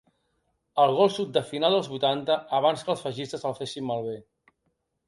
El gol sud de final dels vuitanta, abans que els feixistes el fessin malbé.